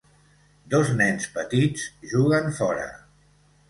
Dos nens petits juguen fora.